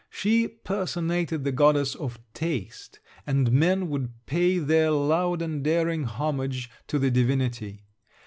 She personated the goddess of taste; and men would pay their loud and daring homage to the divinity.